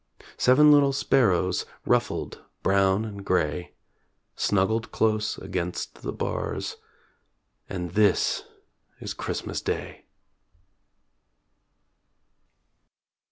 Seven little sparrows Ruffled brown and grey Snuggled close against the bars And this is Christmas day!